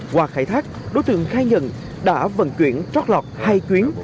qua khai thác đối tượng khai nhận đã vận chuyển trót lọt hai chuyến